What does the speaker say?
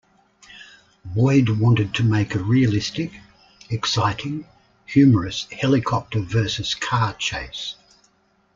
Boyd wanted to make a realistic, exciting, humorous, helicopter-"versus"-car chase.